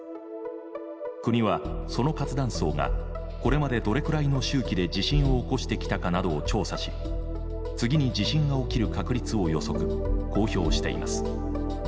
国はその活断層がこれまでどれくらいの周期で地震を起こしてきたかなどを調査し次に地震が起きる確率を予測公表しています。